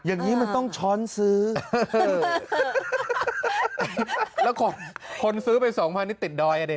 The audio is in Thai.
อย่างนี้มันต้องช้อนซื้อแล้วคนซื้อไป๒๐๐๐นี่ติดดอยอ่ะเนี่ย